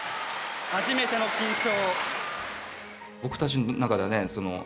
初めての金賞。